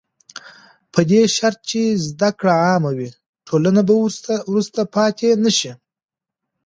په دې شرط چې زده کړه عامه وي، ټولنه به وروسته پاتې نه شي.